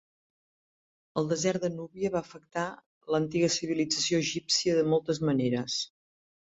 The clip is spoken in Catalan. El desert de Núbia va afectar l'antiga civilització egípcia de moltes maneres.